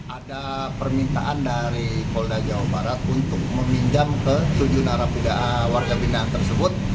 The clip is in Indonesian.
ada permintaan dari polda jawa barat untuk meminjam ke tujuh narapida warga binaan tersebut